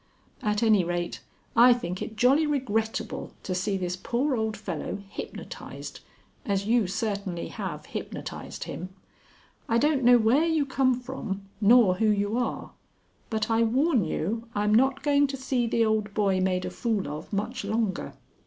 At any rate, I think it jolly regrettable to see this poor old fellow hypnotized, as you certainly have hypnotized him. I don't know where you come from nor who you are, but I warn you I'm not going to see the old boy made a fool of much longer."